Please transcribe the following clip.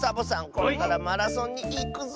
これからマラソンにいくぞ！